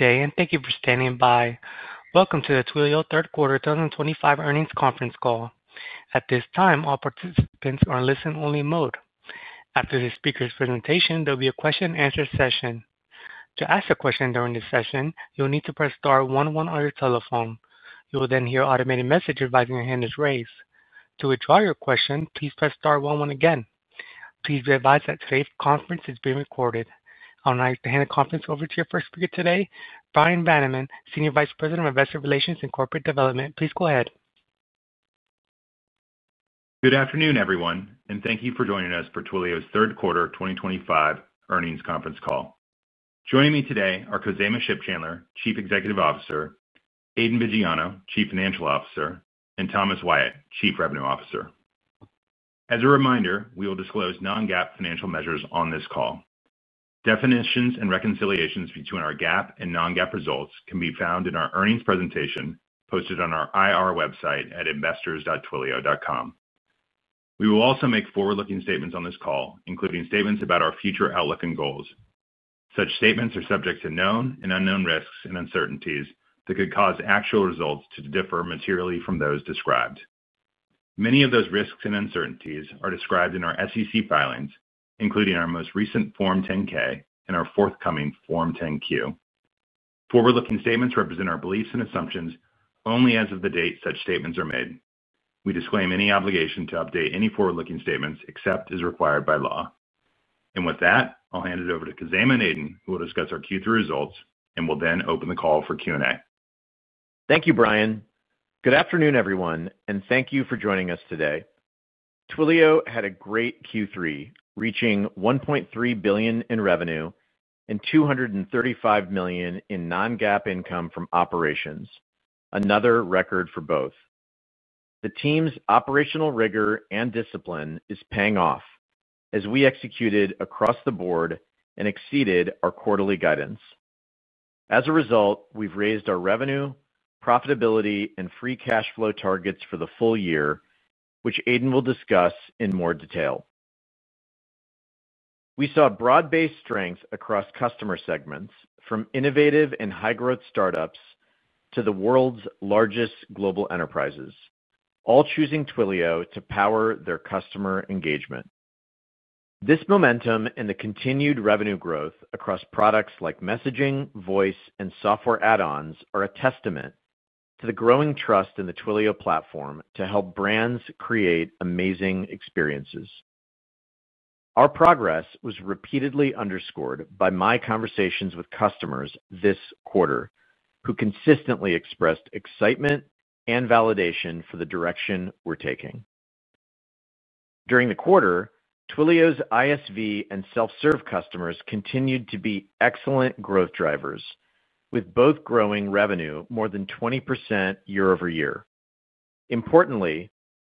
Good day, and thank you for standing by. Welcome to the Twilio Third Quarter 2025 Earnings Conference Call. At this time, all participants are in listen-only mode. After the speaker's presentation, there will be a question-and-answer session. To ask a question during this session, you'll need to press star one one on your telephone. You will then hear an automated message advising you to have your hand raised. To withdraw your question, please press star one one again. Please be advised that today's conference is being recorded. I would now like to hand the conference over to your first speaker today, Bryan Vaniman, Senior Vice President of Investor Relations and Corporate Development. Please go ahead. Good afternoon, everyone, and thank you for joining us for Twilio's Third Quarter 2025 Earnings Conference Call. Joining me today are Khozema Shipchandler, Chief Executive Officer, Aidan Viggiano, Chief Financial Officer, and Thomas Wyatt, Chief Revenue Officer. As a reminder, we will disclose non-GAAP financial measures on this call. Definitions and reconciliations between our GAAP and non-GAAP results can be found in our earnings presentation posted on our IR website at investors.twilio.com. We will also make forward-looking statements on this call, including statements about our future outlook and goals. Such statements are subject to known and unknown risks and uncertainties that could cause actual results to differ materially from those described. Many of those risks and uncertainties are described in our SEC filings, including our most recent Form 10-K and our forthcoming Form 10-Q. Forward-looking statements represent our beliefs and assumptions only as of the date such statements are made. We disclaim any obligation to update any forward-looking statements except as required by law. With that, I'll hand it over to Khozema and Aidan, who will discuss our Q3 results and will then open the call for Q&A. Thank you, Brian. Good afternoon, everyone, and thank you for joining us today. Twilio had a great Q3, reaching $1.3 billion in revenue and $235 million in non-GAAP income from operations, another record for both. The team's operational rigor and discipline is paying off as we executed across the board and exceeded our quarterly guidance. As a result, we've raised our revenue, profitability, and free cash flow targets for the full year, which Aidan will discuss in more detail. We saw broad-based strengths across customer segments, from innovative and high-growth startups to the world's largest global enterprises, all choosing Twilio to power their customer engagement. This momentum and the continued revenue growth across products like messaging, voice, and software add-ons are a testament to the growing trust in the Twilio platform to help brands create amazing experiences. Our progress was repeatedly underscored by my conversations with customers this quarter, who consistently expressed excitement and validation for the direction we're taking. During the quarter, Twilio's ISV and self-serve customers continued to be excellent growth drivers, with both growing revenue more than 20% year-over-year. Importantly,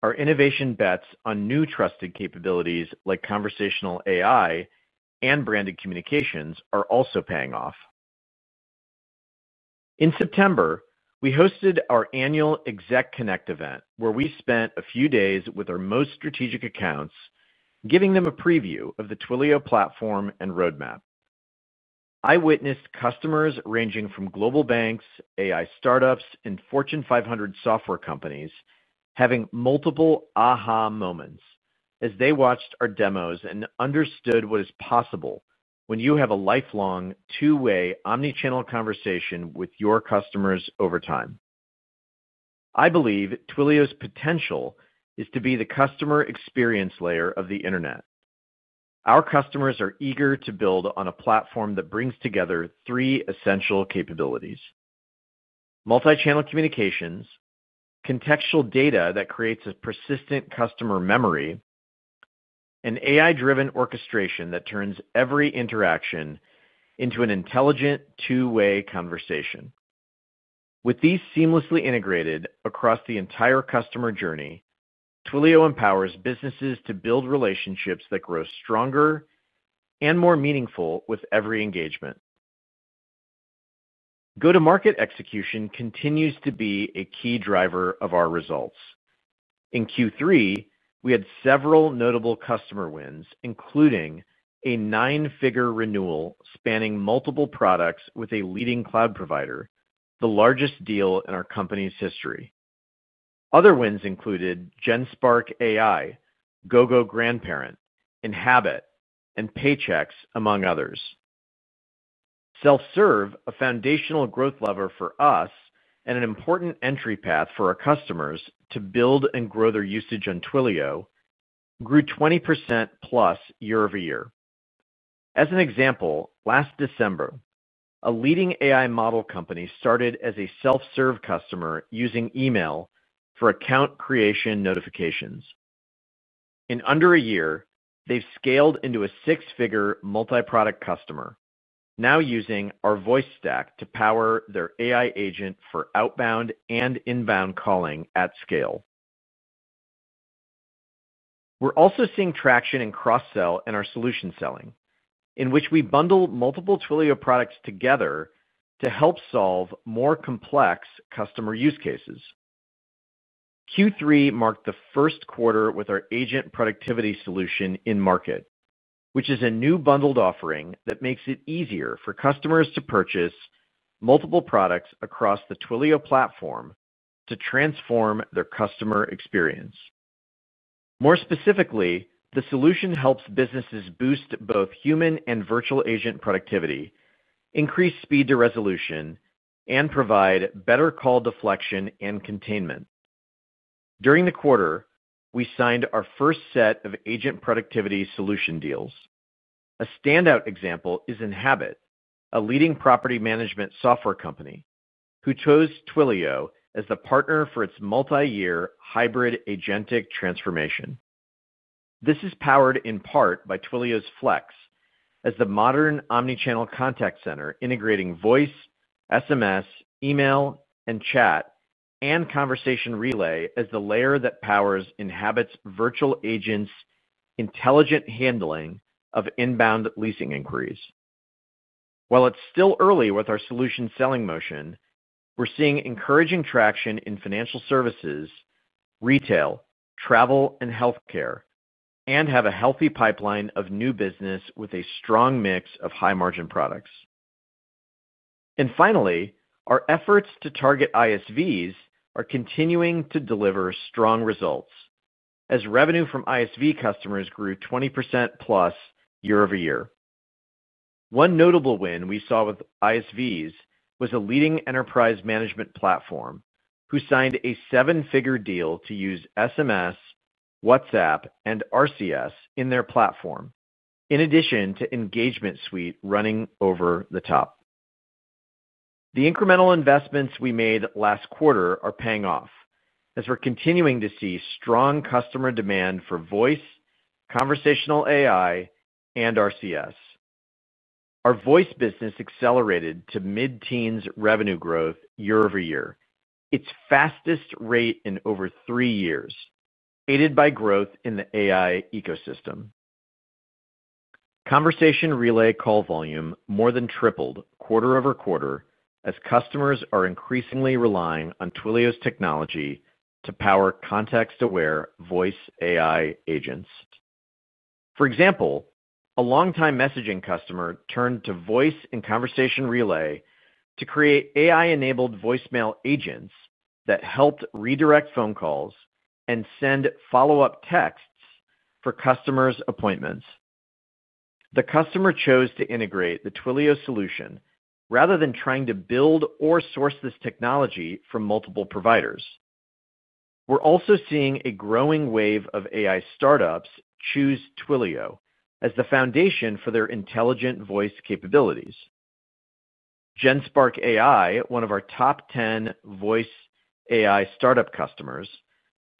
our innovation bets on new trusted capabilities like conversational AI and branded communications are also paying off. In September, we hosted our annual Exec Connect event, where we spent a few days with our most strategic accounts, giving them a preview of the Twilio platform and roadmap. I witnessed customers ranging from global banks, AI startups, and Fortune 500 software companies having multiple aha moments as they watched our demos and understood what is possible when you have a lifelong two-way omnichannel conversation with your customers over time. I believe Twilio's potential is to be the customer experience layer of the internet. Our customers are eager to build on a platform that brings together three essential capabilities. Multichannel communications, contextual data that creates a persistent customer memory, and AI-driven orchestration that turns every interaction into an intelligent two-way conversation. With these seamlessly integrated across the entire customer journey, Twilio empowers businesses to build relationships that grow stronger and more meaningful with every engagement. Go to market execution continues to be a key driver of our results. In Q3, we had several notable customer wins, including. A nine-figure renewal spanning multiple products with a leading cloud provider, the largest deal in our company's history. Other wins included Genspark AI, GoGoGrandparent, Inhabit, and Paychex, among others. Self-serve, a foundational growth lever for us and an important entry path for our customers to build and grow their usage on Twilio, grew 20%+ year-over-year. As an example, last December, a leading AI model company started as a self-serve customer using email for account creation notifications. In under a year, they've scaled into a six-figure multi-product customer, now using our voice stack to power their AI agent for outbound and inbound calling at scale. We're also seeing traction in cross-sell and our solution selling, in which we bundle multiple Twilio products together to help solve more complex customer use cases. Q3 marked the first quarter with our agent productivity solution in market, which is a new bundled offering that makes it easier for customers to purchase multiple products across the Twilio platform to transform their customer experience. More specifically, the solution helps businesses boost both human and virtual agent productivity, increase speed to resolution, and provide better call deflection and containment. During the quarter, we signed our first set of agent productivity solution deals. A standout example is Inhabit, a leading property management software company, who chose Twilio as the partner for its multi-year hybrid agentic transformation. This is powered in part by Twilio's Flex as the modern omnichannel contact center integrating voice, SMS, email, and chat, and ConversationRelay as the layer that powers Inhabit's virtual agent's intelligent handling of inbound leasing inquiries. While it's still early with our solution selling motion, we're seeing encouraging traction in financial services, retail, travel, and healthcare, and have a healthy pipeline of new business with a strong mix of high-margin products. Finally, our efforts to target ISVs are continuing to deliver strong results as revenue from ISV customers grew 20%+ year-over-year. One notable win we saw with ISVs was a leading enterprise management platform who signed a seven-figure deal to use SMS, WhatsApp, and RCS in their platform, in addition to Engagement Suite running over the top. The incremental investments we made last quarter are paying off as we're continuing to see strong customer demand for voice, conversational AI, and RCS. Our voice business accelerated to mid-teens revenue growth year-over-year, its fastest rate in over 3 years, aided by growth in the AI ecosystem. ConversationRelay call volume more than tripled quarter-over-quarter as customers are increasingly relying on Twilio's technology to power context-aware voice AI agents. For example, a longtime messaging customer turned to voice and ConversationRelay to create AI-enabled voicemail agents that helped redirect phone calls and send follow-up texts for customers' appointments. The customer chose to integrate the Twilio solution rather than trying to build or source this technology from multiple providers. We're also seeing a growing wave of AI startups choose Twilio as the foundation for their intelligent voice capabilities. Genspark AI, one of our top 10 voice AI startup customers,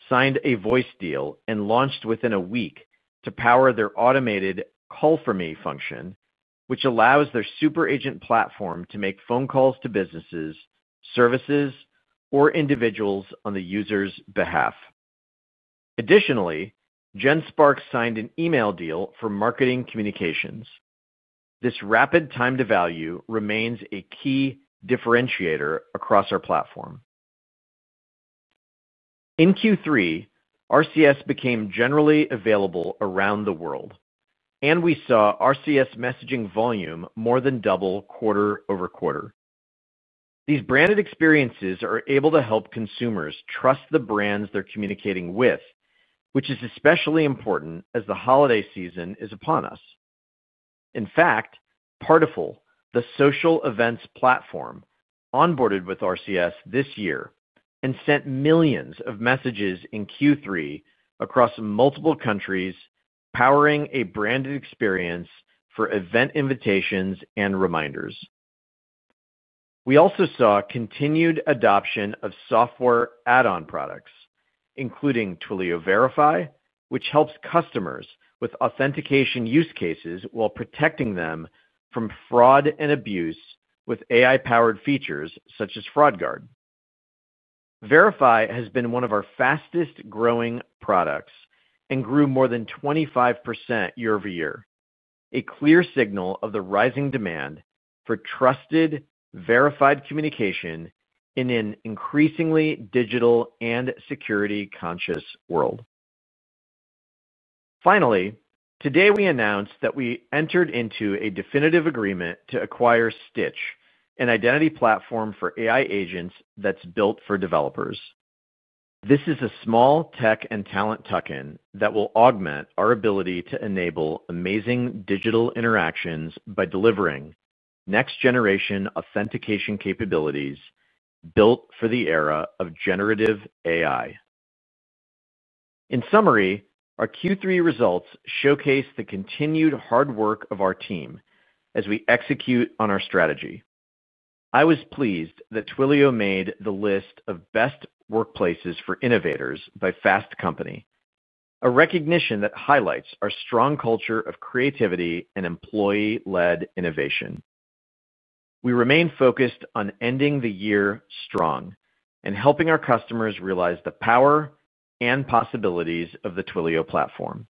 signed a voice deal and launched within a week to power their automated call-for-me function, which allows their super agent platform to make phone calls to businesses, services, or individuals on the user's behalf. Additionally, Genspark signed an email deal for marketing communications. This rapid time-to-value remains a key differentiator across our platform. In Q3, RCS became generally available around the world, and we saw RCS messaging volume more than double quarter-over-quarter. These branded experiences are able to help consumers trust the brands they're communicating with, which is especially important as the holiday season is upon us. In fact, Partiful, the social events platform, onboarded with RCS this year and sent millions of messages in Q3 across multiple countries, powering a branded experience for event invitations and reminders. We also saw continued adoption of software add-on products, including Twilio Verify, which helps customers with authentication use cases while protecting them from fraud and abuse with AI-powered features such as FraudGuard. Verify has been one of our fastest-growing products and grew more than 25% year-over-year, a clear signal of the rising demand for trusted, verified communication in an increasingly digital and security-conscious world. Finally, today we announced that we entered into a definitive agreement to acquire Stytch, an identity platform for AI agents that's built for developers. This is a small tech and talent tuck-in that will augment our ability to enable amazing digital interactions by delivering next-generation authentication capabilities built for the era of generative AI. In summary, our Q3 results showcase the continued hard work of our team as we execute on our strategy. I was pleased that Twilio made the list of best workplaces for innovators by Fast Company, a recognition that highlights our strong culture of creativity and employee-led innovation. We remain focused on ending the year strong and helping our customers realize the power and possibilities of the Twilio platform.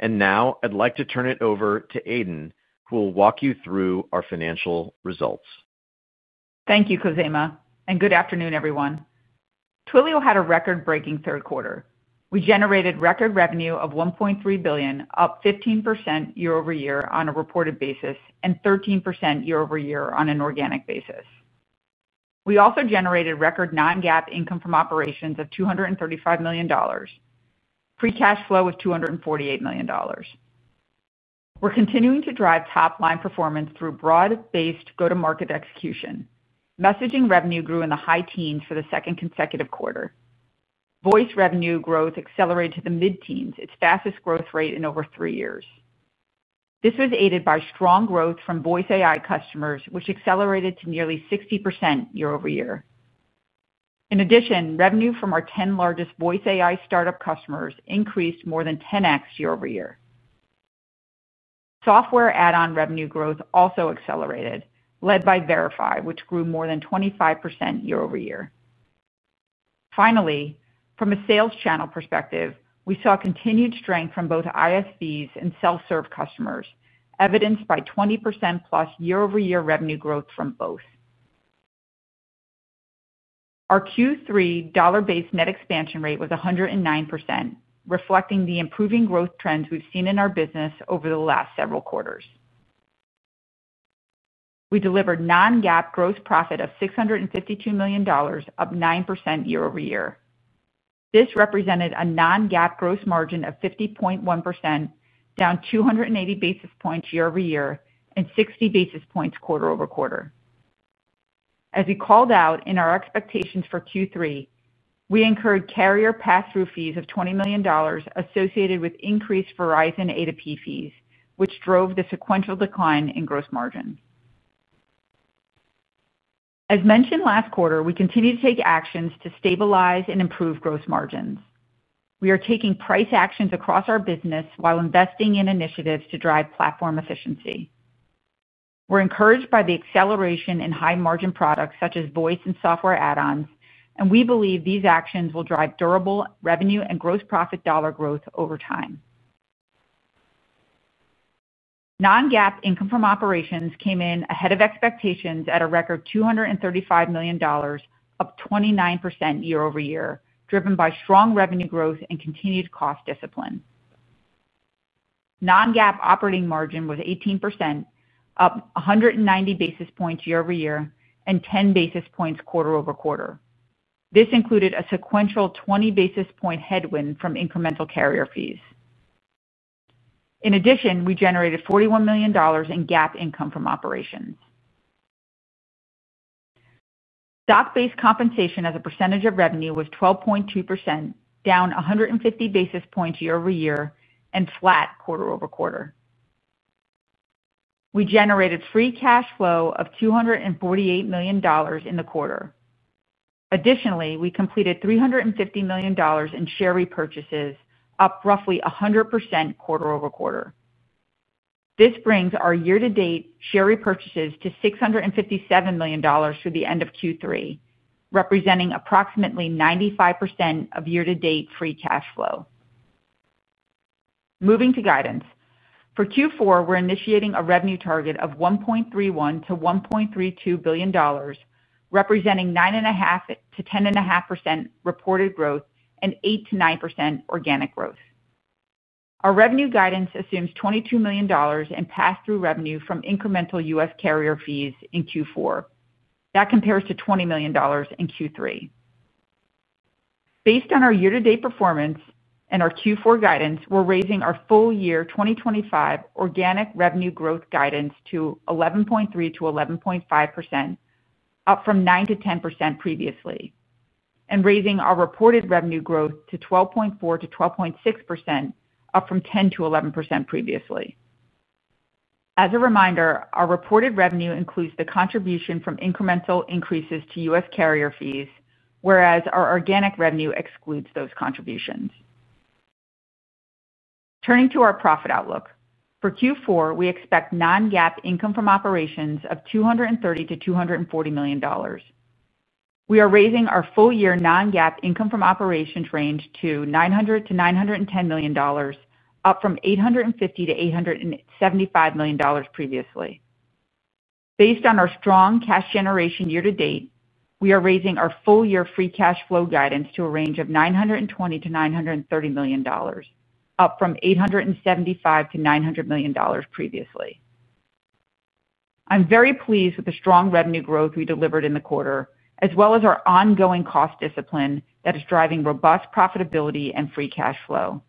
I'd like to turn it over to Aidan, who will walk you through our financial results. Thank you, Khozema, and good afternoon, everyone. Twilio had a record-breaking third quarter. We generated record revenue of $1.3 billion, up 15% year-over-year on a reported basis and 13% year-over-year on an organic basis. We also generated record non-GAAP income from operations of $235 million, free cash flow of $248 million. We're continuing to drive top-line performance through broad-based go-to-market execution. Messaging revenue grew in the high teens for the second consecutive quarter. Voice revenue growth accelerated to the mid-teens, its fastest growth rate in over 3 years. This was aided by strong growth from voice AI customers, which accelerated to nearly 60% year-over-year. In addition, revenue from our 10 largest voice AI startup customers increased more than 10x year-over-year. Software add-on revenue growth also accelerated, led by Verify, which grew more than 25% year-over-year. Finally, from a sales channel perspective, we saw continued strength from both ISVs and self-serve customers, evidenced by 20%+ year-over-year revenue growth from both. Our Q3 dollar-based net expansion rate was 109%, reflecting the improving growth trends we've seen in our business over the last several quarters. We delivered non-GAAP gross profit of $652 million, up 9% year-over-year. This represented a non-GAAP gross margin of 50.1%, down 280 basis points year-over-year and 60 basis points quarter-over-quarter. As we called out in our expectations for Q3, we incurred carrier pass-through fees of $20 million associated with increased Verizon A2P fees, which drove the sequential decline in gross margin. As mentioned last quarter, we continue to take actions to stabilize and improve gross margins. We are taking price actions across our business while investing in initiatives to drive platform efficiency. We're encouraged by the acceleration in high-margin products such as voice and software add-ons, and we believe these actions will drive durable revenue and gross profit dollar growth over time. Non-GAAP income from operations came in ahead of expectations at a record $235 million, up 29% year-over-year, driven by strong revenue growth and continued cost discipline. Non-GAAP operating margin was 18%, up 190 basis points year-over-year and 10 basis points quarter-over-quarter. This included a sequential 20 basis point headwind from incremental carrier fees. In addition, we generated $41 million in GAAP income from operations. Stock-based compensation as a percentage of revenue was 12.2%, down 150 basis points year-over-year and flat quarter-over-quarter. We generated free cash flow of $248 million in the quarter. Additionally, we completed $350 million in share repurchases, up roughly 100% quarter-over-quarter. This brings our year-to-date share repurchases to $657 million through the end of Q3, representing approximately 95% of year-to-date free cash flow. Moving to guidance. For Q4, we're initiating a revenue target of $1.31 billion-$1.32 billion, representing 9.5%-10.5% reported growth and 8%-9% organic growth. Our revenue guidance assumes $22 million in pass-through revenue from incremental U.S. carrier fees in Q4. That compares to $20 million in Q3. Based on our year-to-date performance and our Q4 guidance, we're raising our full year 2025 organic revenue growth guidance to 11.3% to 11.5%, up from 9% to 10% previously, and raising our reported revenue growth to 12.4% to 12.6%, up from 10% to 11% previously. As a reminder, our reported revenue includes the contribution from incremental increases to U.S. carrier fees, whereas our organic revenue excludes those contributions. Turning to our profit outlook, for Q4, we expect non-GAAP income from operations of $230 million-$240 million. We are raising our full year non-GAAP income from operations range to $900 million-$910 million, up from $850 million-$875 million previously. Based on our strong cash generation year-to-date, we are raising our full-year free cash flow guidance to a range of $920 million to $930 million, up from $875 million to $900 million previously. I'm very pleased with the strong revenue growth we delivered in the quarter, as well as our ongoing cost discipline that is driving robust profitability and free cash flow.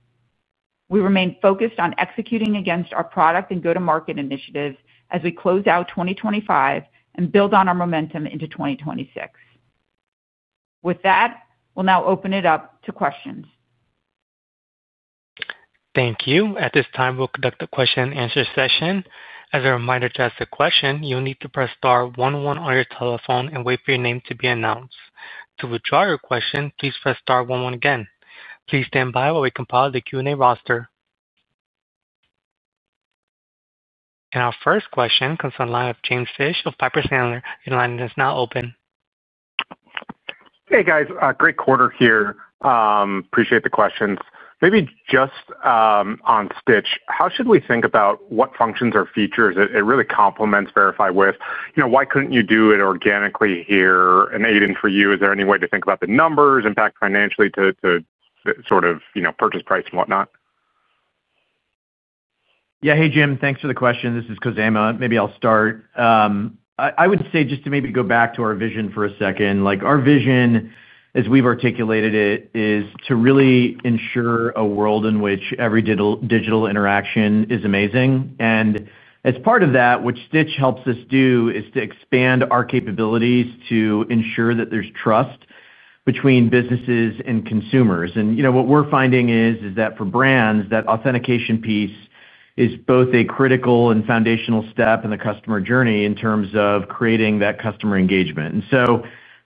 We remain focused on executing against our product and go-to-market initiatives as we close out 2025 and build on our momentum into 2026. With that, we'll now open it up to questions. Thank you. At this time, we'll conduct a question-and-answer session. As a reminder, to ask a question, you'll need to press star one one on your telephone and wait for your name to be announced. To withdraw your question, please press star one oneagain. Please stand by while we compile the Q&A roster. Our first question comes on the line of James Fish of Piper Sandler. Your line is now open. Hey, guys. Great quarter here. Appreciate the questions. Maybe just onT Stytch, how should we think about what functions or features it really complements Verify with? Why couldn't you do it organically here, and Aidan, for you, is there any way to think about the numbers, impact financially to sort of purchase price and whatnot? Yeah. Hey, Jim. Thanks for the question. This is Khozema. Maybe I'll start. I would say just to maybe go back to our vision for a second. Our vision, as we've articulated it, is to really ensure a world in which every digital interaction is amazing. As part of that, what Stytch helps us do is to expand our capabilities to ensure that there's trust between businesses and consumers. What we're finding is that for brands, that authentication piece is both a critical and foundational step in the customer journey in terms of creating that customer engagement.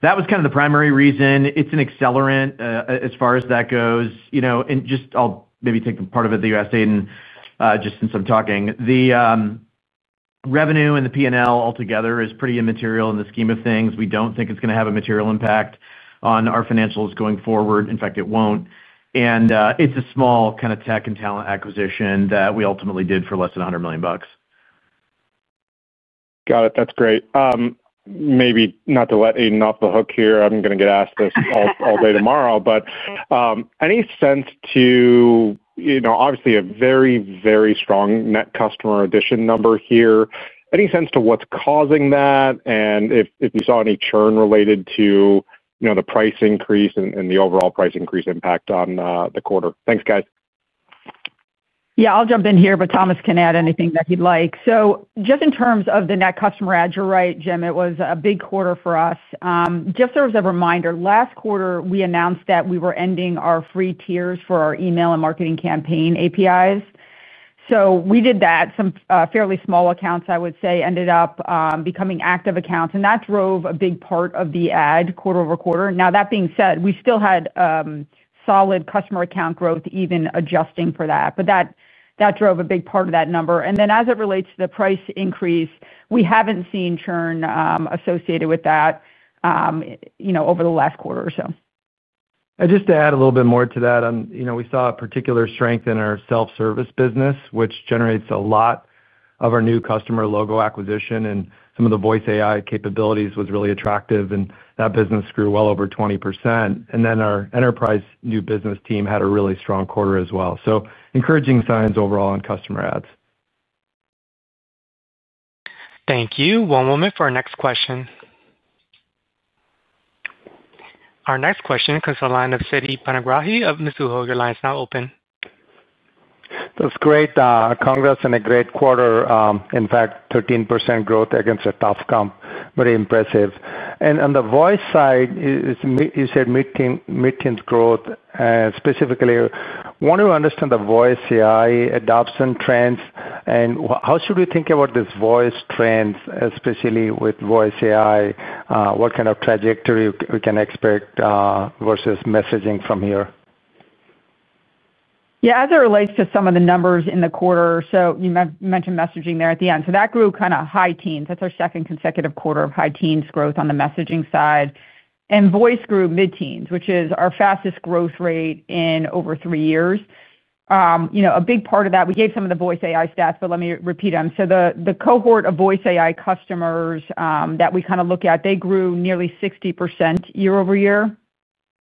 That was kind of the primary reason. It's an accelerant as far as that goes. I'll maybe take part of it that you asked, Aidan, just since I'm talking. The revenue and the P&L altogether is pretty immaterial in the scheme of things. We don't think it's going to have a material impact on our financials going forward. In fact, it won't. It's a small kind of tech and talent acquisition that we ultimately did for less than $100 million. Got it. That's great. Maybe not to let Aidan off the hook here. I'm going to get asked this all day tomorrow. Any sense to, obviously a very, very strong net customer addition number here? Any sense to what's causing that? If you saw any churn related to the price increase and the overall price increase impact on the quarter? Thanks, guys. Yeah. I'll jump in here, but Thomas can add anything that he'd like. Just in terms of the net customer add, you're right, Jim. It was a big quarter for us. Just as a reminder, last quarter, we announced that we were ending our free tiers for our email and marketing campaign APIs. We did that. Some fairly small accounts, I would say, ended up becoming active accounts, and that drove a big part of the add quarter-over-quarter. That being said, we still had solid customer account growth, even adjusting for that. That drove a big part of that number. As it relates to the price increase, we haven't seen churn associated with that over the last quarter or so. Just to add a little bit more to that, we saw particular strength in our self-service business, which generates a lot of our new customer logo acquisition. Some of the voice AI capabilities were really attractive, and that business grew well over 20%. Our enterprise new business team had a really strong quarter as well. Encouraging signs overall on customer adds. Thank you. One moment for our next question. Our next question comes from the line of Siti Panigrahi of Mizuho. Your line is now open. That's great, congrats, and a great quarter. In fact, 13% growth against a tough comp. Very impressive. On the voice side, you said meetings growth. Specifically, I want to understand the voice AI adoption trends. How should we think about this voice trend, especially with voice AI? What kind of trajectory can we expect versus messaging from here? Yeah. As it relates to some of the numbers in the quarter, you mentioned messaging there at the end. That grew high teens. That's our second consecutive quarter of high teens growth on the messaging side. Voice grew mid-teens, which is our fastest growth rate in over 3 years. A big part of that, we gave some of the voice AI stats, but let me repeat them. The cohort of voice AI customers that we look at grew nearly 60% year-over-year.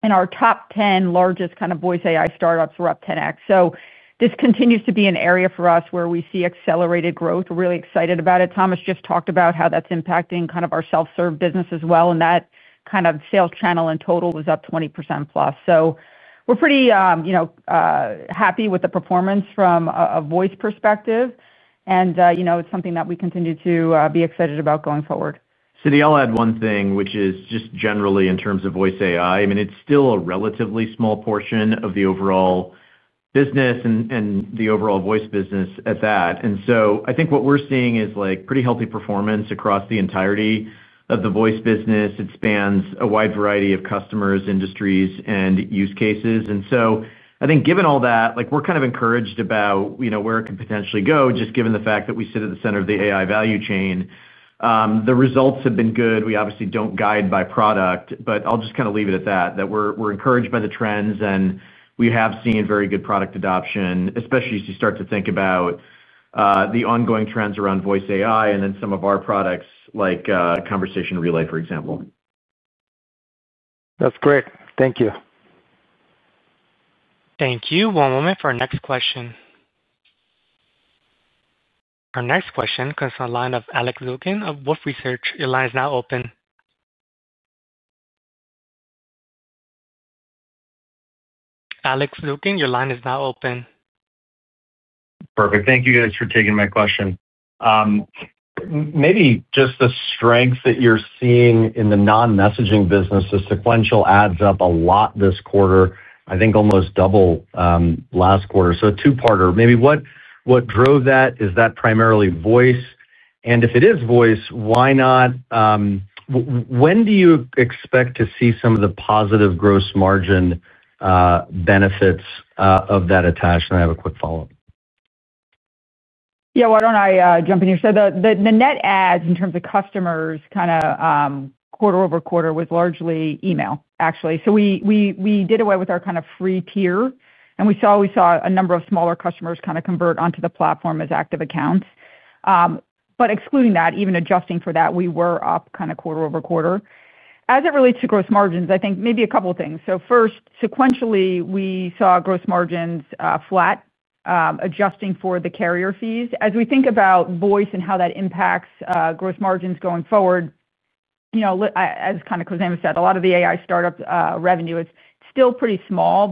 Our top 10 largest voice AI startups were up 10x. This continues to be an area for us where we see accelerated growth. We're really excited about it. Thomas just talked about how that's impacting our self-serve business as well. That sales channel in total was up 20%+. We're pretty happy with the performance from a voice perspective. It's something that we continue to be excited about going forward. Siti, I'll add one thing, which is just generally in terms of voice AI. I mean, it's still a relatively small portion of the overall business and the overall voice business at that. I think what we're seeing is pretty healthy performance across the entirety of the voice business. It spans a wide variety of customers, industries, and use cases. I think given all that, we're kind of encouraged about where it can potentially go, just given the fact that we sit at the center of the AI value chain. The results have been good. We obviously don't guide by product, but I'll just kind of leave it at that, that we're encouraged by the trends. We have seen very good product adoption, especially as you start to think about the ongoing trends around voice AI and then some of our products like ConversationRelay, for example. That's great. Thank you. Thank you. One moment for our next question. Our next question comes from the line of Alex Zukin of Wolfe Research. Your line is now open. Alex Zukin, your line is now open. Perfect. Thank you, guys, for taking my question. Maybe just the strength that you're seeing in the non-messaging business, the sequential adds up a lot this quarter, I think almost double last quarter. A two-parter. Maybe what drove that? Is that primarily voice? If it is voice, why not? When do you expect to see some of the positive gross margin benefits of that attached? I have a quick follow-up. Yeah. Why don't I jump in here? The net adds in terms of customers quarter-over-quarter was largely email, actually. We did away with our free tier, and we saw a number of smaller customers convert onto the platform as active accounts. Excluding that, even adjusting for that, we were up quarter-over-quarter. As it relates to gross margins, I think maybe a couple of things. First, sequentially, we saw gross margins flat, adjusting for the carrier fees. As we think about voice and how that impacts gross margins going forward, as Khozema said, a lot of the AI startup revenue is still pretty small.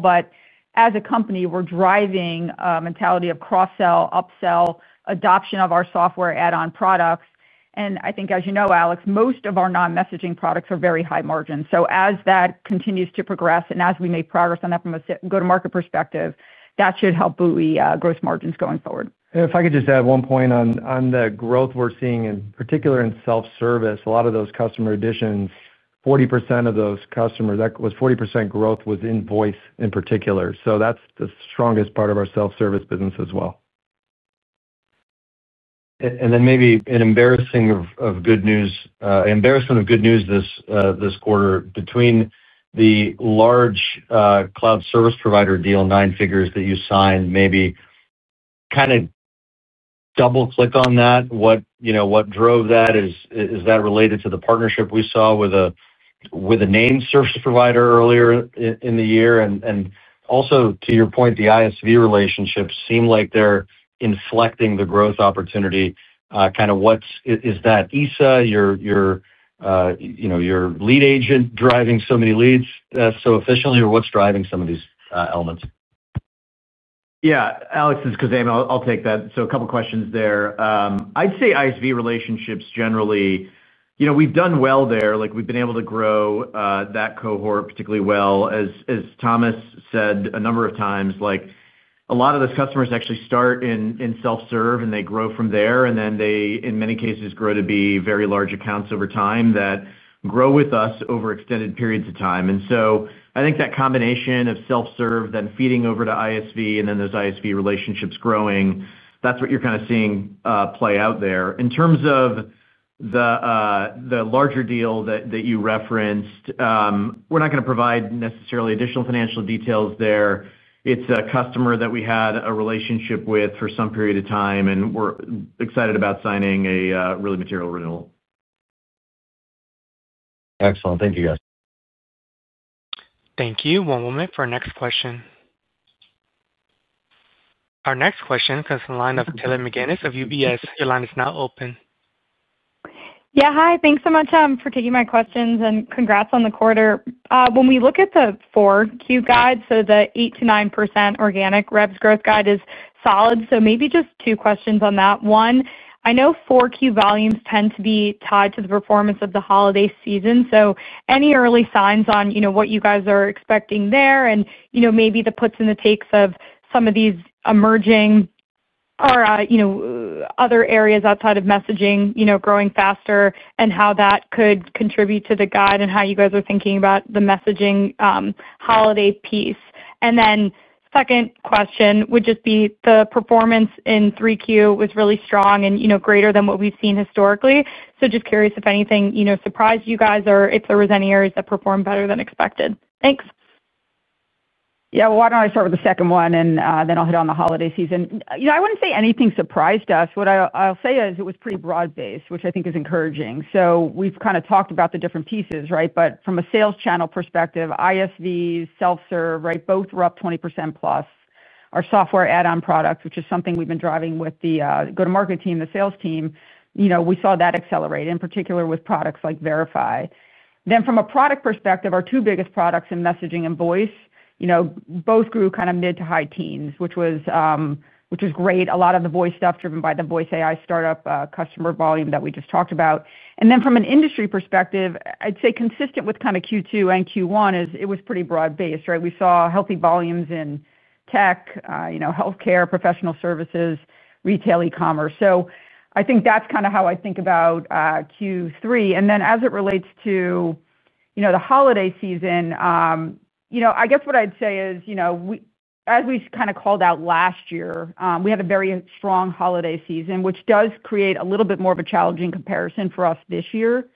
As a company, we're driving a mentality of cross-sell, up-sell, adoption of our software add-on products. I think, as you know, Alex, most of our non-messaging products are very high margins. As that continues to progress and as we make progress on that from a go-to-market perspective, that should help boost gross margins going forward. If I could just add one point on the growth we're seeing, in particular in self-service, a lot of those customer additions, 40% of those customers, that was 40% growth, was in voice in particular. That's the strongest part of our self-service business as well. Maybe an embarrassment of good news this quarter between the large cloud service provider deal, nine figures that you signed. Maybe double-click on that. What drove that? Is that related to the partnership we saw with a named service provider earlier in the year? Also, to your point, the ISV relationships seem like they're inflecting the growth opportunity. Kind of what is that? Is your lead agent driving so many leads so efficiently, or what's driving some of these elements? Yeah. Alex, this is Khozema. I'll take that. A couple of questions there. I'd say ISV relationships generally, we've done well there. We've been able to grow that cohort particularly well. As Thomas said a number of times, a lot of those customers actually start in self-serve, and they grow from there. In many cases, they grow to be very large accounts over time that grow with us over extended periods of time. I think that combination of self-serve, then feeding over to ISV, and then those ISV relationships growing, that's what you're kind of seeing play out there. In terms of the larger deal that you referenced, we're not going to provide necessarily additional financial details there. It's a customer that we had a relationship with for some period of time, and we're excited about signing a really material renewal. Excellent. Thank you, guys. Thank you. One moment for our next question. Our next question comes from the line of Taylor McGinnis of UBS. Your line is now open. Yeah. Hi. Thanks so much for taking my questions. Congrats on the quarter. When we look at the 4Q guide, the 8%-9% organic rev growth guide is solid. Maybe just two questions on that. One, I know 4Q volumes tend to be tied to the performance of the holiday season. Any early signs on what you guys are expecting there and maybe the puts and the takes of some of these emerging or other areas outside of messaging growing faster and how that could contribute to the guide and how you guys are thinking about the messaging holiday piece? Second question would just be the performance in 3Q was really strong and greater than what we've seen historically. Just curious if anything surprised you guys or if there were any areas that performed better than expected. Thanks. Why don't I start with the second one, and then I'll hit on the holiday season. I wouldn't say anything surprised us. What I'll say is it was pretty broad-based, which I think is encouraging. We've kind of talked about the different pieces, right? From a sales channel perspective, ISVs, self-serve, both were up 20%+. Our software add-on products, which is something we've been driving with the go-to-market team, the sales team, we saw that accelerate, in particular with products like Verify. From a product perspective, our two biggest products in Messaging and Voice both grew kind of mid to high teens, which was great. A lot of the Voice stuff driven by the voice AI startup customer volume that we just talked about. From an industry perspective, I'd say consistent with Q2 and Q1, it was pretty broad-based. We saw healthy volumes in tech, healthcare, professional services, retail, e-commerce. I think that's kind of how I think about Q3. As it relates to the holiday season, I guess what I'd say is as we kind of called out last year, we had a very strong holiday season, which does create a little bit more of a challenging comparison for us this year.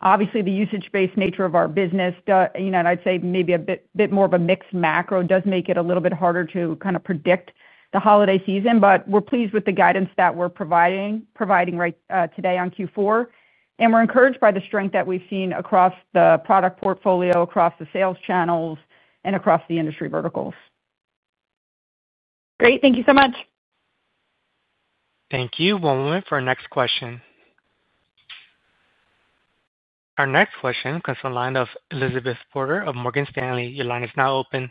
Obviously, the usage-based nature of our business, and I'd say maybe a bit more of a mixed macro, does make it a little bit harder to kind of predict the holiday season. We're pleased with the guidance that we're providing today on Q4, and we're encouraged by the strength that we've seen across the product portfolio, across the sales channels, and across the industry verticals. Great. Thank you so much. Thank you. One moment for our next question. Our next question comes from the line of Elizabeth Porter of Morgan Stanley. Your line is now open.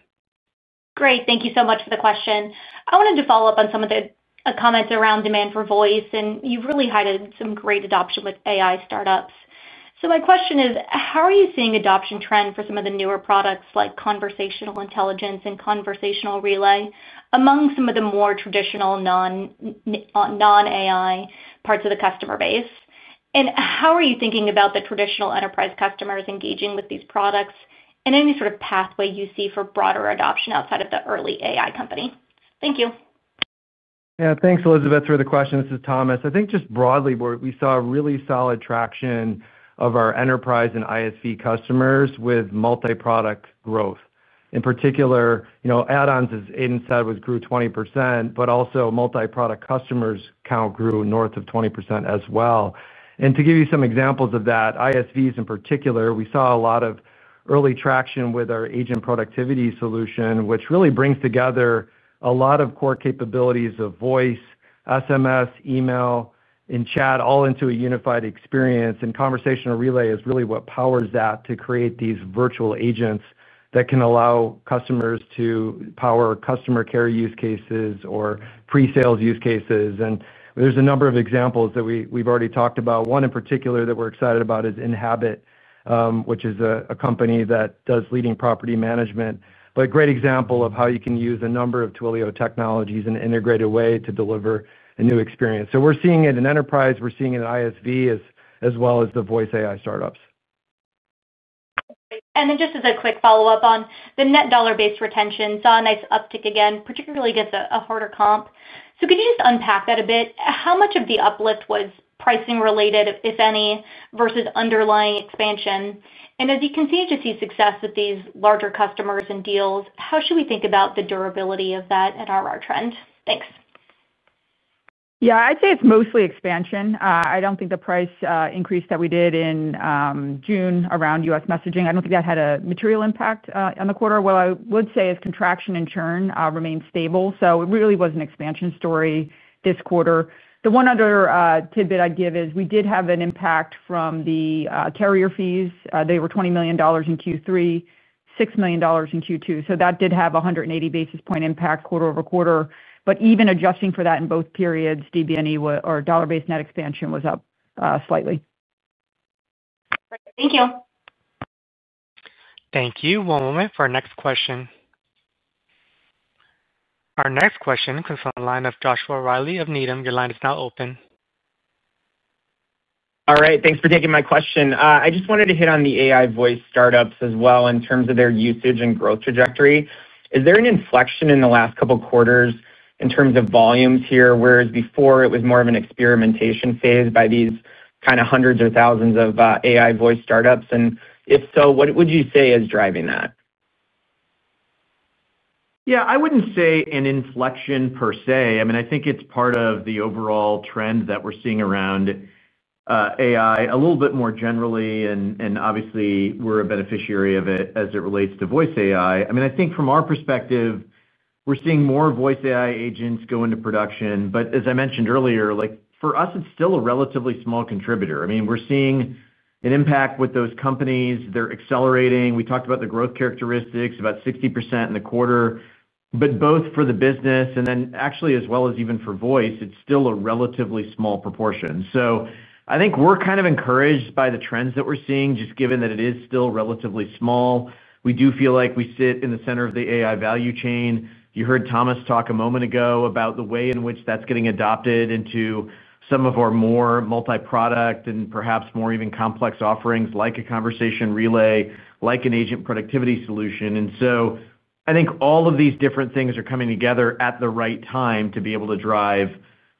Great. Thank you so much for the question. I wanted to follow up on some of the comments around demand for voice. You've really highlighted some great adoption with AI startups. My question is, how are you seeing adoption trends for some of the newer products like Conversational Intelligence and ConversationRelay among some of the more traditional, non-AI parts of the customer base? How are you thinking about the traditional enterprise customers engaging with these products and any sort of pathway you see for broader adoption outside of the early AI company? Thank you. Yeah. Thanks, Elizabeth, for the question. This is Thomas. I think just broadly, we saw really solid traction of our enterprise and ISV customers with multi-product growth. In particular, add-ons, as Aidan said, grew 20%, but also multi-product customers kind of grew north of 20% as well. To give you some examples of that, ISVs in particular, we saw a lot of early traction with our agent productivity solution, which really brings together a lot of core capabilities of voice, SMS, email, and chat all into a unified experience. ConversationRelay is really what powers that to create these virtual agents that can allow customers to power customer care use cases or pre-sales use cases. There are a number of examples that we've already talked about. One in particular that we're excited about is Inhabit, which is a company that does leading property management. It is a great example of how you can use a number of Twilio technologies in an integrated way to deliver a new experience. We're seeing it in enterprise, we're seeing it in ISV as well as the voice AI startups. Just as a quick follow-up on the net dollar-based retention, saw a nice uptick again, particularly against a harder comp. Could you just unpack that a bit? How much of the uplift was pricing-related, if any, versus underlying expansion? As you continue to see success with these larger customers and deals, how should we think about the durability of that and our trend? Thanks. Yeah. I'd say it's mostly expansion. I don't think the price increase that we did in June around U.S. messaging had a material impact on the quarter. What I would say is contraction in churn remained stable, so it really was an expansion story this quarter. The one other tidbit I'd give is we did have an impact from the carrier fees. They were $20 million in Q3, $6 million in Q2. That did have a 180 basis point impact quarter-over-quarter. Even adjusting for that in both periods, DBNE or dollar-based net expansion was up slightly. Thank you. Thank you. One moment for our next question. Our next question comes from the line of Joshua Reilly of Needham. Your line is now open. All right. Thanks for taking my question. I just wanted to hit on the AI voice startups as well in terms of their usage and growth trajectory. Is there an inflection in the last couple of quarters in terms of volumes here, whereas before it was more of an experimentation phase by these kind of hundreds or thousands of AI voice startups? If so, what would you say is driving that? Yeah. I wouldn't say an inflection per se. I think it's part of the overall trend that we're seeing around AI a little bit more generally. Obviously, we're a beneficiary of it as it relates to voice AI. I think from our perspective, we're seeing more voice AI agents go into production. As I mentioned earlier, for us, it's still a relatively small contributor. We're seeing an impact with those companies. They're accelerating. We talked about the growth characteristics, about 60% in the quarter, but both for the business and then actually as well as even for voice, it's still a relatively small proportion. I think we're kind of encouraged by the trends that we're seeing, just given that it is still relatively small. We do feel like we sit in the center of the AI value chain. You heard Thomas talk a moment ago about the way in which that's getting adopted into some of our more multi-product and perhaps more even complex offerings like ConversationRelay, like an agent productivity solution. I think all of these different things are coming together at the right time to be able to drive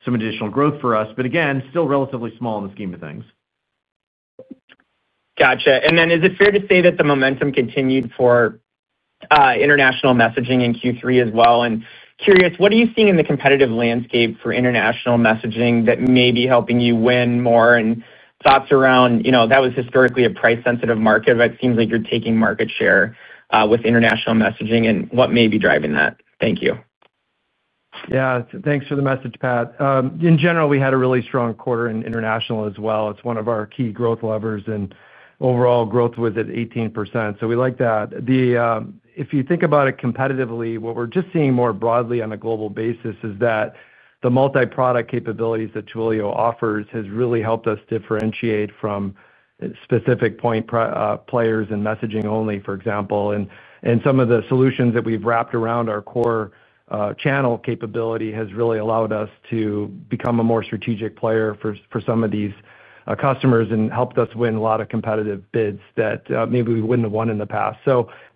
some additional growth for us, but again, still relatively small in the scheme of things. Gotcha. Is it fair to say that the momentum continued for international messaging in Q3 as well? I'm curious, what are you seeing in the competitive landscape for international messaging that may be helping you win more? Thoughts around that was historically a price-sensitive market, but it seems like you're taking market share with international messaging. What may be driving that? Thank you. Yeah. Thanks for the message, Pat. In general, we had a really strong quarter in international as well. It's one of our key growth levers. Overall growth was at 18%. We like that. If you think about it competitively, what we're just seeing more broadly on a global basis is that the multi-product capabilities that Twilio offers has really helped us differentiate from specific point players in messaging only, for example. Some of the solutions that we've wrapped around our core channel capability has really allowed us to become a more strategic player for some of these customers and helped us win a lot of competitive bids that maybe we wouldn't have won in the past.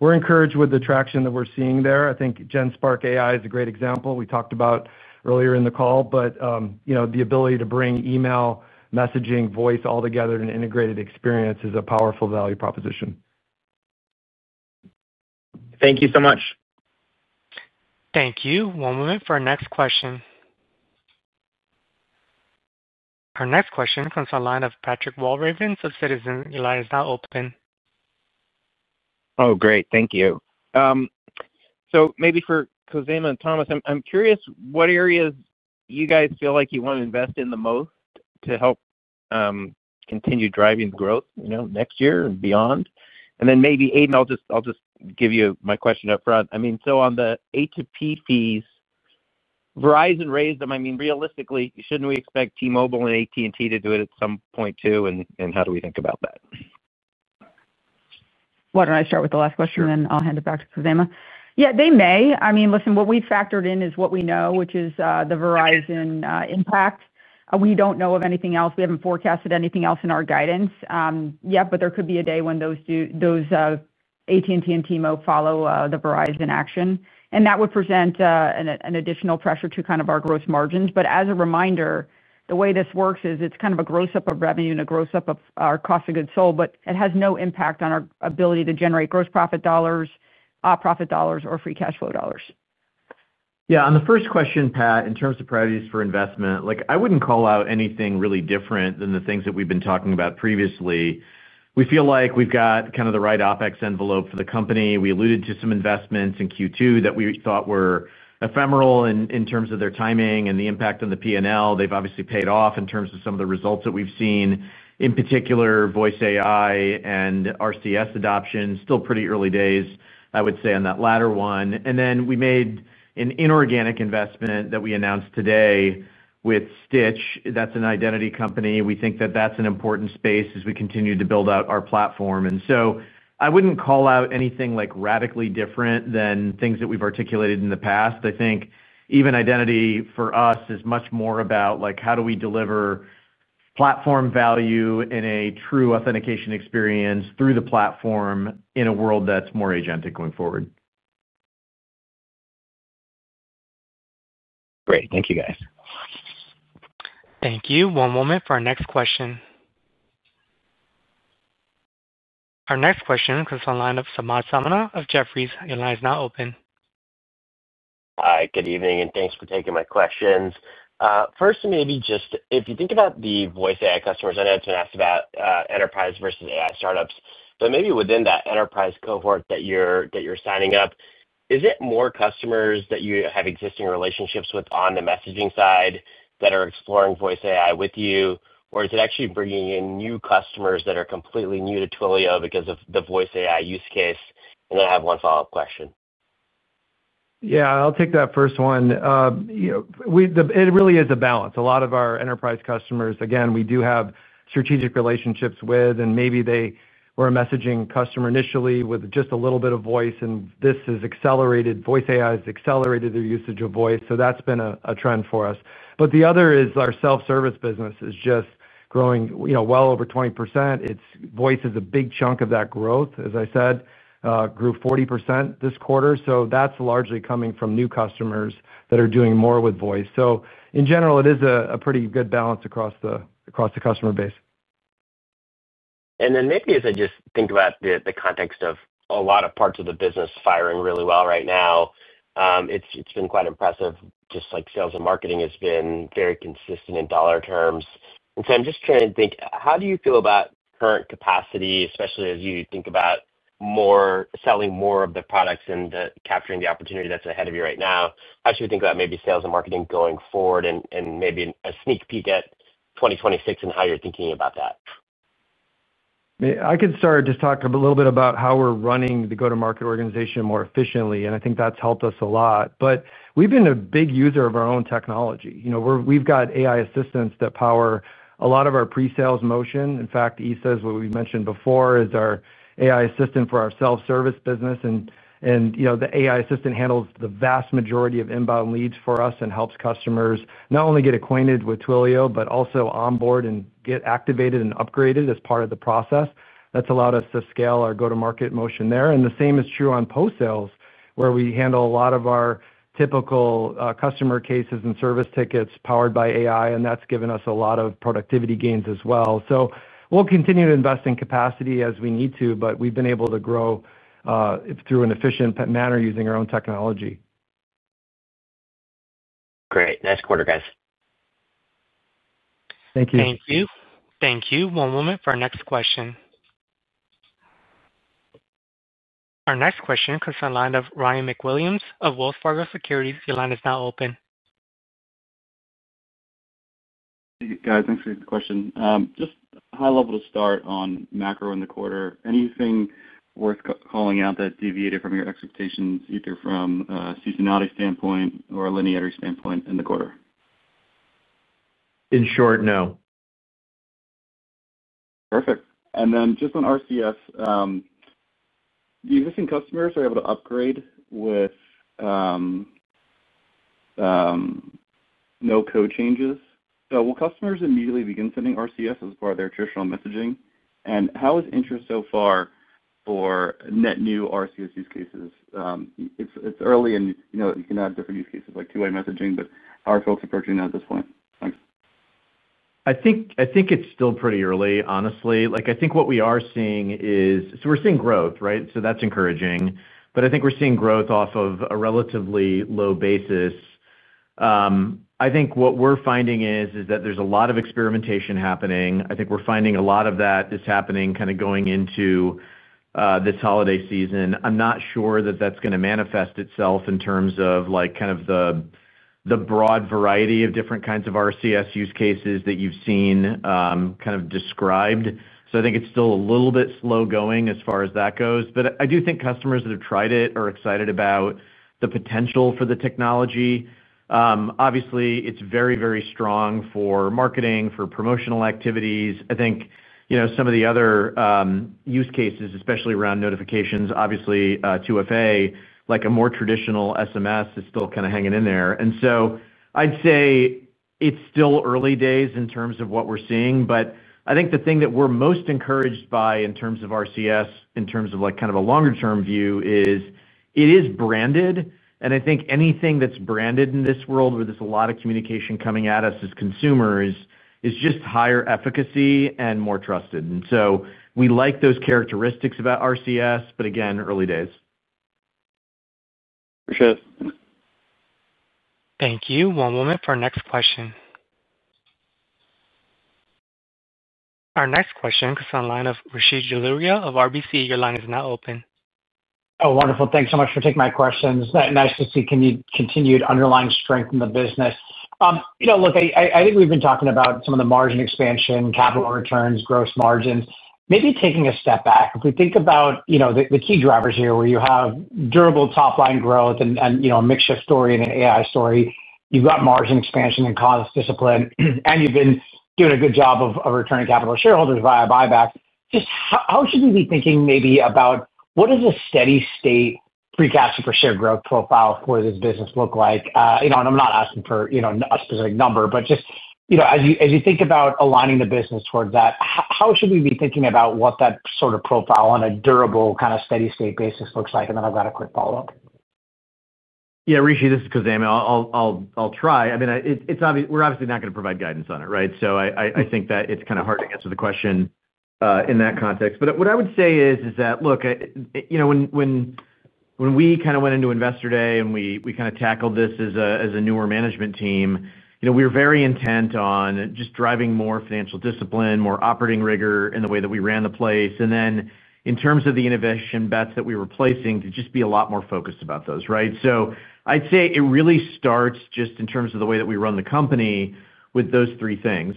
We're encouraged with the traction that we're seeing there. I think Genspark AI is a great example we talked about earlier in the call. The ability to bring email, messaging, voice all together in an integrated experience is a powerful value proposition. Thank you so much. Thank you. One moment for our next question. Our next question comes from the line of Patrick Walravens of Citizens. Your line is now open. Great. Thank you. Maybe for Khozema and Thomas, I'm curious what areas you guys feel like you want to invest in the most to help continue driving growth next year and beyond. Maybe, Aidan, I'll just give you my question up front. On the A2P fees, Verizon raised them. Realistically, shouldn't we expect T-Mobile and AT&T to do it at some point too? How do we think about that? Why don't I start with the last question, and then I'll hand it back to Khozema? What we've factored in is what we know, which is the Verizon impact. We don't know of anything else. We haven't forecasted anything else in our guidance yet, but there could be a day when AT&T and T-Mobile follow the Verizon action. That would present an additional pressure to kind of our gross margins. As a reminder, the way this works is it's kind of a gross up of revenue and a gross up of our cost of goods sold, but it has no impact on our ability to generate gross profit dollars, profit dollars, or free cash flow dollars. Yeah. On the first question, Pat, in terms of priorities for investment, I wouldn't call out anything really different than the things that we've been talking about previously. We feel like we've got kind of the right OpEx envelope for the company. We alluded to some investments in Q2 that we thought were ephemeral in terms of their timing and the impact on the P&L. They've obviously paid off in terms of some of the results that we've seen, in particular, voice AI and RCS adoption. Still pretty early days, I would say, on that latter one. We made an inorganic investment that we announced today with Stytch. That's an identity company. We think that that's an important space as we continue to build out our platform. I wouldn't call out anything radically different than things that we've articulated in the past. I think even identity for us is much more about how do we deliver platform value in a true authentication experience through the platform in a world that's more agentic going forward. Great. Thank you, guys. Thank you. One moment for our next question. Our next question comes from the line of Samad Samana of Jefferies. Your line is now open. Hi. Good evening, and thanks for taking my questions. First, if you think about the voice AI customers, I know it's been asked about enterprise versus AI startups. Within that enterprise cohort that you're signing up, is it more customers that you have existing relationships with on the messaging side that are exploring voice AI with you, or is it actually bringing in new customers that are completely new to Twilio because of the voice AI use case? I have one follow-up question. Yeah. I'll take that first one. It really is a balance. A lot of our enterprise customers, again, we do have strategic relationships with, and maybe they were a messaging customer initially with just a little bit of voice, and this has accelerated. Voice AI has accelerated their usage of voice. That's been a trend for us. The other is our self-service business is just growing well over 20%. Voice is a big chunk of that growth. As I said, grew 40% this quarter. That's largely coming from new customers that are doing more with voice. In general, it is a pretty good balance across the customer base. As I think about the context of a lot of parts of the business firing really well right now, it's been quite impressive. Sales and marketing has been very consistent in dollar terms. I'm just trying to think, how do you feel about current capacity, especially as you think about selling more of the products and capturing the opportunity that's ahead of you right now? How should we think about sales and marketing going forward and maybe a sneak peek at 2026 and how you're thinking about that? I can start just talking a little bit about how we're running the go-to-market organization more efficiently. I think that's helped us a lot. We've been a big user of our own technology. We've got AI assistants that power a lot of our pre-sales motion. In fact, Isa, as we mentioned before, is our AI assistant for our self-service business. The AI assistant handles the vast majority of inbound leads for us and helps customers not only get acquainted with Twilio but also onboard and get activated and upgraded as part of the process. That's allowed us to scale our go-to-market motion there. The same is true on post-sales, where we handle a lot of our typical customer cases and service tickets powered by AI. That's given us a lot of productivity gains as well. We will continue to invest in capacity as we need to, but we've been able to grow through an efficient manner using our own technology. Great. Nice quarter, guys. Thank you. Thank you. One moment for our next question. Our next question comes from the line of Ryan MacWilliams of Wells Fargo Securities. Your line is now open. Thanks for your question. Just high-level to start on macro in the quarter, anything worth calling out that deviated from your expectations, either from a seasonality standpoint or a linearity standpoint in the quarter? In short, no. Perfect. On RCS, the existing customers are able to upgrade with no code changes. Will customers immediately begin sending RCS as part of their traditional messaging? How is interest so far for net new RCS use cases? It's early, and you can add different use cases like two-way messaging, but how are folks approaching that at this point? Thanks. I think it's still pretty early, honestly. I think what we are seeing is we're seeing growth, right? That's encouraging, but I think we're seeing growth off of a relatively low basis. I think what we're finding is that there's a lot of experimentation happening. A lot of that is happening going into this holiday season. I'm not sure that that's going to manifest itself in terms of the broad variety of different kinds of RCS use cases that you've seen described. I think it's still a little bit slow going as far as that goes. I do think customers that have tried it are excited about the potential for the technology. Obviously, it's very, very strong for marketing, for promotional activities. I think some of the other use cases, especially around notifications, obviously 2FA, like a more traditional SMS, is still kind of hanging in there. I'd say it's still early days in terms of what we're seeing. I think the thing that we're most encouraged by in terms of RCS, in terms of a longer-term view, is it is branded. I think anything that's branded in this world where there's a lot of communication coming at us as consumers is just higher efficacy and more trusted. We like those characteristics about RCS, but again, early days. For sure. Thank you. One moment for our next question. Our next question comes from the line of Rishi Jaluria of RBC. Your line is now open. Oh, wonderful. Thanks so much for taking my questions. Nice to see continued underlying strength in the business. I think we've been talking about some of the margin expansion, capital returns, gross margins. Maybe taking a step back, if we think about the key drivers here, where you have durable top-line growth and a makeshift story and an AI story, you've got margin expansion and cost discipline, and you've been doing a good job of returning capital to shareholders via buyback. Just how should we be thinking maybe about what does a steady-state free cash and per-share growth profile for this business look like? I'm not asking for a specific number, but just as you think about aligning the business towards that, how should we be thinking about what that sort of profile on a durable kind of steady-state basis looks like? I've got a quick follow-up. Yeah. Rishi, this is Khozema. I'll try. I mean, we're obviously not going to provide guidance on it, right? I think that it's kind of hard to answer the question in that context. What I would say is that, look, when we kind of went into investor day and we kind of tackled this as a newer management team, we were very intent on just driving more financial discipline, more operating rigor in the way that we ran the place. In terms of the innovation bets that we were placing, to just be a lot more focused about those, right? I'd say it really starts just in terms of the way that we run the company with those three things.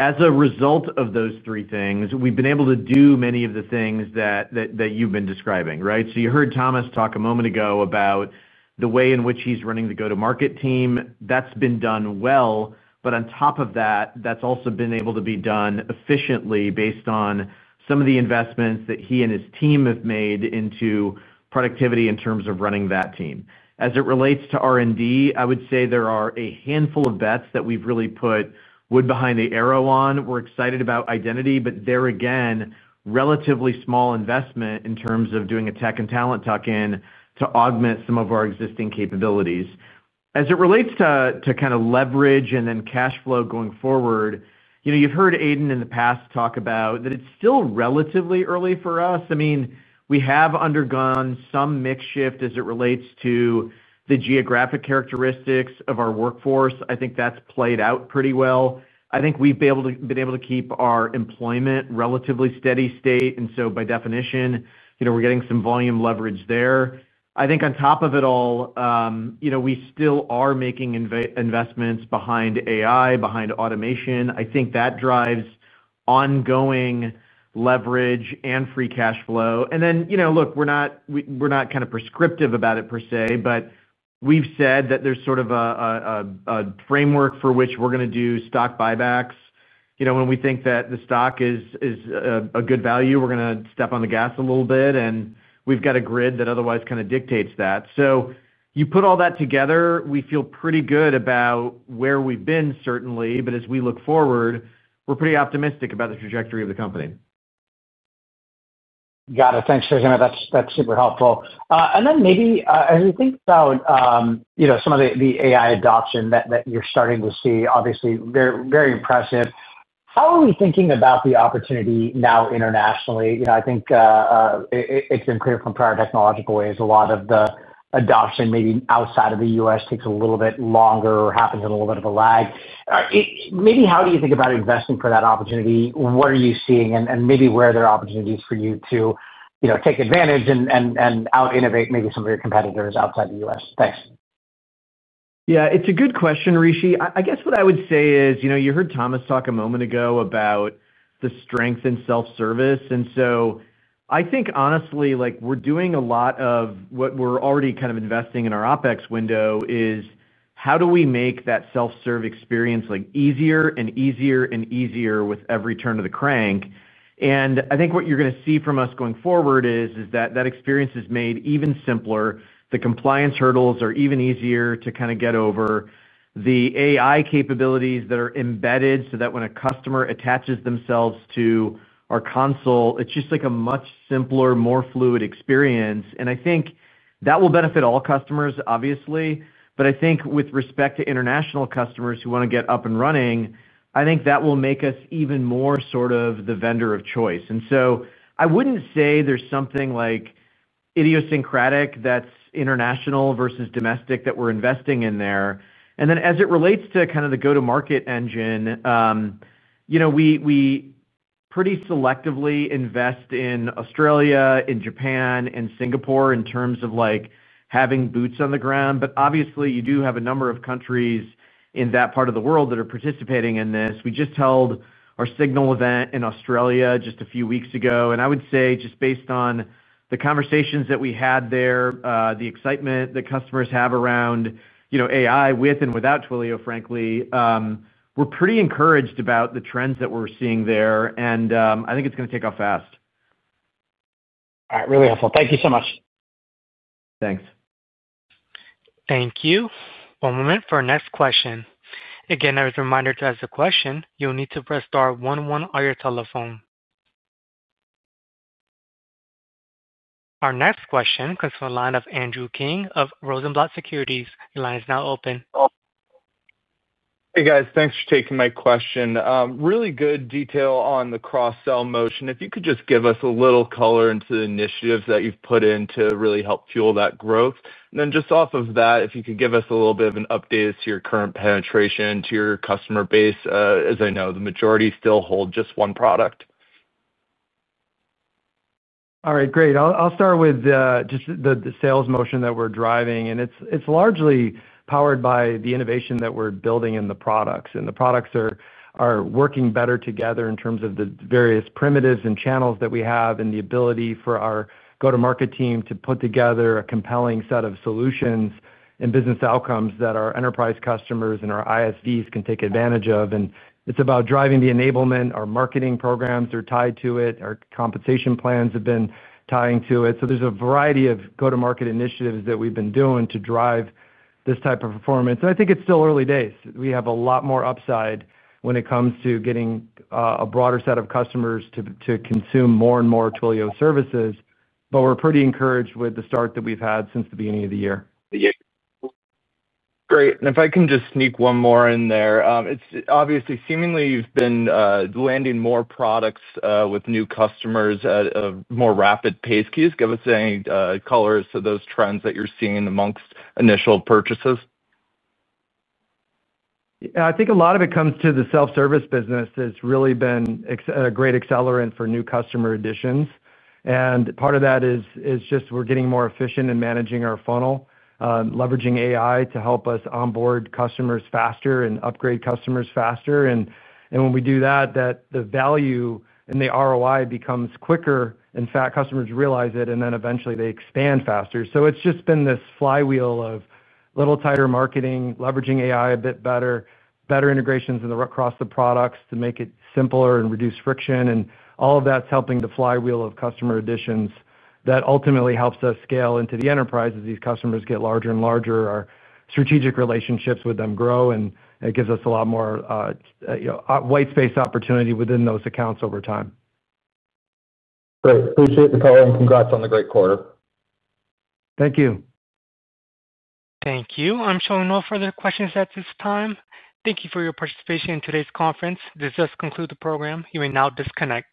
As a result of those three things, we've been able to do many of the things that you've been describing, right? You heard Thomas talk a moment ago about the way in which he's running the go-to-market team. That's been done well. On top of that, that's also been able to be done efficiently based on some of the investments that he and his team have made into productivity in terms of running that team. As it relates to R&D, I would say there are a handful of bets that we've really put wood behind the arrow on. We're excited about identity, but there again, relatively small investment in terms of doing a tech and talent tuck-in to augment some of our existing capabilities. As it relates to kind of leverage and then cash flow going forward, you've heard Aidan in the past talk about that it's still relatively early for us. I mean, we have undergone some makeshift as it relates to the geographic characteristics of our workforce. I think that's played out pretty well. I think we've been able to keep our employment relatively steady state, and so by definition, we're getting some volume leverage there. I think on top of it all, we still are making investments behind AI, behind automation. I think that drives ongoing leverage and free cash flow. We're not kind of prescriptive about it per se, but we've said that there's sort of a framework for which we're going to do stock buybacks. When we think that the stock is a good value, we're going to step on the gas a little bit, and we've got a grid that otherwise kind of dictates that. You put all that together, we feel pretty good about where we've been, certainly. As we look forward, we're pretty optimistic about the trajectory of the company. Got it. Thanks, Khozema. That's super helpful. Maybe as we think about some of the AI adoption that you're starting to see, obviously, very impressive. How are we thinking about the opportunity now internationally? I think it's been clear from prior technological waves a lot of the adoption maybe outside of the U.S. takes a little bit longer, happens in a little bit of a lag. How do you think about investing for that opportunity? What are you seeing, and where are there opportunities for you to take advantage and out-innovate some of your competitors outside the U.S.? Thanks. Yeah. It's a good question, Rishi. I guess what I would say is you heard Thomas talk a moment ago about the strength in self-service. I think, honestly, we're doing a lot of what we're already kind of investing in our OpEx window, which is how do we make that self-serve experience easier and easier and easier with every turn of the crank? I think what you're going to see from us going forward is that experience is made even simpler. The compliance hurdles are even easier to kind of get over. The AI capabilities that are embedded so that when a customer attaches themselves to our console, it's just like a much simpler, more fluid experience. I think that will benefit all customers, obviously. I think with respect to international customers who want to get up and running, that will make us even more sort of the vendor of choice. I wouldn't say there's something idiosyncratic that's international versus domestic that we're investing in there. As it relates to kind of the go-to-market engine, we pretty selectively invest in Australia, in Japan, in Singapore in terms of having boots on the ground. Obviously, you do have a number of countries in that part of the world that are participating in this. We just held our Signal event in Australia just a few weeks ago. I would say just based on the conversations that we had there, the excitement that customers have around AI with and without Twilio, frankly, we're pretty encouraged about the trends that we're seeing there. I think it's going to take off fast. All right. Really helpful. Thank you so much. Thanks. Thank you. One moment for our next question. Again, as a reminder, to ask the question, you'll need to press star 11 on your telephone. Our next question comes from the line of Andrew King of Rosenblatt Securities. Your line is now open. Hey, guys. Thanks for taking my question. Really good detail on the cross-sell motion. If you could just give us a little color into the initiatives that you've put in to really help fuel that growth. If you could give us a little bit of an update as to your current penetration to your customer base, as I know the majority still hold just one product. All right. Great. I'll start with just the sales motion that we're driving. It's largely powered by the innovation that we're building in the products. The products are working better together in terms of the various primitives and channels that we have and the ability for our go-to-market team to put together a compelling set of solutions and business outcomes that our enterprise customers and our ISVs can take advantage of. It's about driving the enablement. Our marketing programs are tied to it. Our compensation plans have been tying to it. There's a variety of go-to-market initiatives that we've been doing to drive this type of performance. I think it's still early days. We have a lot more upside when it comes to getting a broader set of customers to consume more and more Twilio services. We're pretty encouraged with the start that we've had since the beginning of the year. Great. If I can just sneak one more in there, it's obviously seemingly you've been landing more products with new customers at a more rapid pace. Can you just give us any color to those trends that you're seeing amongst initial purchases? Yeah, I think a lot of it comes to the self-service business. It's really been a great accelerant for new customer additions. Part of that is just we're getting more efficient in managing our funnel, leveraging AI to help us onboard customers faster and upgrade customers faster. When we do that, the value and the ROI becomes quicker. In fact, customers realize it, and then eventually they expand faster. It's just been this flywheel of a little tighter marketing, leveraging AI a bit better, better integrations across the products to make it simpler and reduce friction. All of that's helping the flywheel of customer additions that ultimately helps us scale into the enterprise as these customers get larger and larger, our strategic relationships with them grow, and it gives us a lot more white space opportunity within those accounts over time. Great. Appreciate the call and congrats on the great quarter. Thank you. Thank you. I'm showing no further questions at this time. Thank you for your participation in today's conference. This does conclude the program. You may now disconnect.